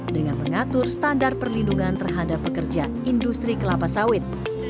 dengan mengatur standar perlindungan terhadap pekerja industri kelapa sawit